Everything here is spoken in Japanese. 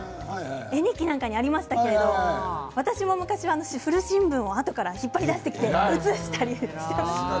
絵日記なんかにありましたけれども私も昔古新聞をあとから引っ張り出してうつしたりしていました。